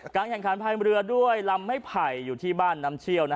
แข่งขันภายเรือด้วยลำไม้ไผ่อยู่ที่บ้านน้ำเชี่ยว